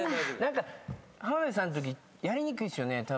何か浜辺さんのときやりにくいっすよね。